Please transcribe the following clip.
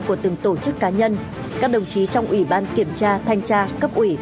của từng tổ chức cá nhân các đồng chí trong ủy ban kiểm tra thanh tra cấp ủy